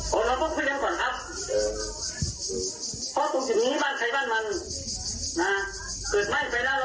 ผมแล้วก็คุยเร็วก่อนครับ